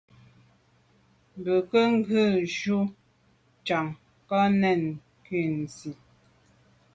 Bwɔ́ŋkə́h à’ghə̀ jʉ́ chàŋ ká nɛ́ɛ̀n nɔɔ́nsí.